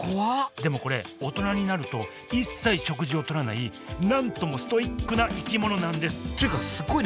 でもこれ大人になると一切食事をとらない何ともストイックな生き物なんですっていうかすごいね！